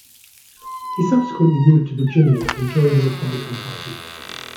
He subsequently moved to Virginia and joined the Republican Party.